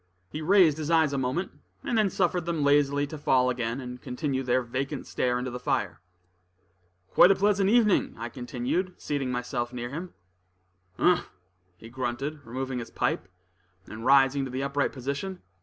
He raised his eyes a moment, and then suffered them lazily to fall again, and continue their vacant stare into the fire. "Quite a pleasant evening," I continued, seating myself near him. "Umph!" he grunted, removing his pipe, and rising to the upright position.